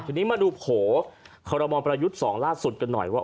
คุณนี้มาดูขวุขรมประยุทธ์๒ล่าสุดกันหน่อยว่า